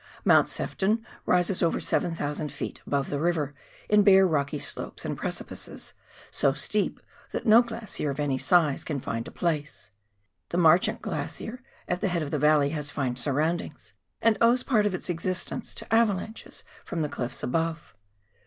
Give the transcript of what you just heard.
Mount Sefton rises over 7,000 ft. above the river in bare rocky slopes and precipices, so steep that no glacier of any size can find a place. The Marchant Glacier at the head of the valley has fine surroundings, and owes part of its existence to ava lanches from the clifPs above.